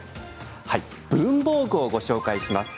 文房具をご紹介します。